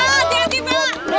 saya tanggung ya